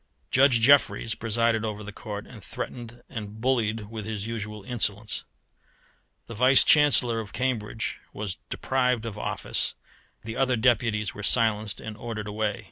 Judge Jeffreys presided over the Court, and threatened and bullied with his usual insolence. The Vice Chancellor of Cambridge was deprived of office, the other deputies were silenced and ordered away.